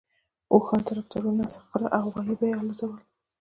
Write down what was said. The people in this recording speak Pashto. اوښان، تراکتورونه، خره او غوایي به یې الوزول.